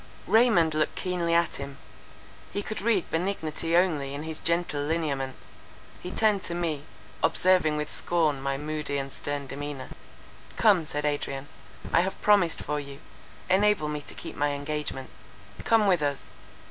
Raymond looked keenly at him; he could read benignity only in his gentle lineaments; he turned to me, observing with scorn my moody and stern demeanour. "Come," said Adrian, "I have promised for you, enable me to keep my engagement. Come with us."